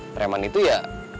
preman itu ya